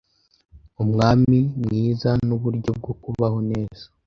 umwami mwizanuburyo bwo kubaho neza